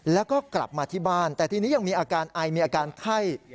แล้วก็กลับมาที่บ้านแต่ทีนี้ยังมีอาการไอมีอาการไข้